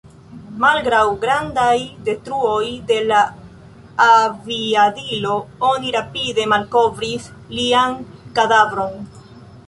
Malgraŭ grandaj detruoj de la aviadilo oni rapide malkovris lian kadavron.